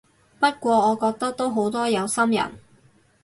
不過我覺得都好多有心人